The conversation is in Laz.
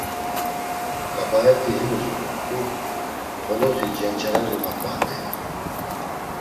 K̆abaet̆i himus uğurt̆u, xoloti cenç̌areri maǩvandey.